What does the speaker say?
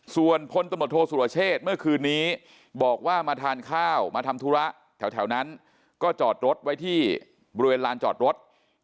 ส่วนพลตำรวจโทษสุรเชษเมื่อคืนนี้บอกว่ามาทานข้าวมาทำธุระแถวนั้นก็จอดรถไว้ที่บริเวณลานจอดรถ